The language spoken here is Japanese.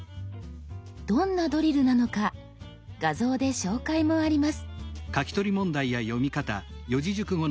どんなドリルなのか画像で紹介もあります。